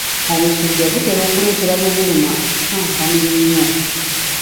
Omusujja gutera okuleetera gwe guluma okukankana ennyo.